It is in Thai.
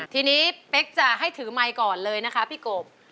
ทีนี้เป๊กจะให้ถือไมค์ก่อนเลยนะคะพี่กบ